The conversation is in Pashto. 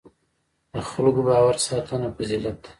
د خلکو باور ساتنه فضیلت دی.